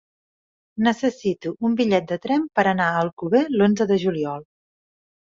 Necessito un bitllet de tren per anar a Alcover l'onze de juliol.